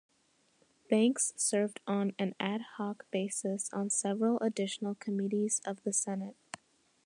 Banks served on an ad hoc basis on several additional committees of the Senate.